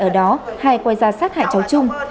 ở đó hai quay ra sát hại cháu chung